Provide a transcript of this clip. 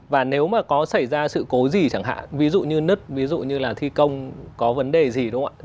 và nếu mà có xảy ra sự cố gì chẳng hạn ví dụ như nứt ví dụ như là thi công có vấn đề gì đúng không ạ